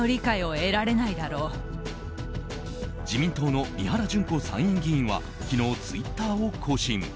自民党の三原じゅん子参院議員は昨日、ツイッターを更新。